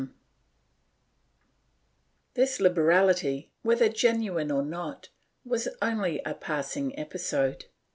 ^ This liberality, whether genuine or not, was only a passing episode.